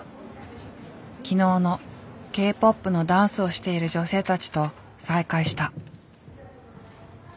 昨日のＫ−ＰＯＰのダンスをしている女性たちと再会した。